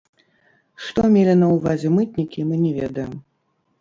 Што мелі на ўвазе мытнікі, мы не ведаем.